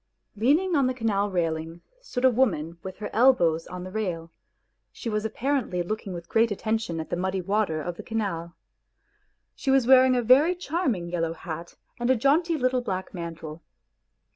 Leaning on the canal railing stood a woman with her elbows on the rail, she was apparently looking with great attention at the muddy water of the canal. She was wearing a very charming yellow hat and a jaunty little black mantle.